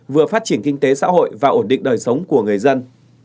vừa phát triển kinh tế xã hội và ổn định đời sống của người dân